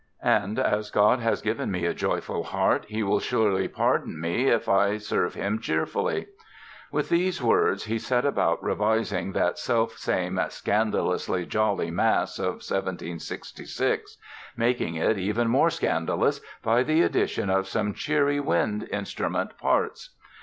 And as God has given me a joyful heart He will surely pardon me if I serve Him cheerfully!" With these words he set about revising that selfsame "scandalously jolly" Mass of 1766, making it even more "scandalous" by the addition of some cheery wind instrument parts.